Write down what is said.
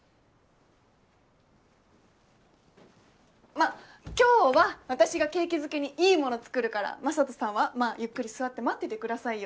まっ今日は私が景気づけにいいもの作るから雅人さんはまぁゆっくり座って待っててくださいよ。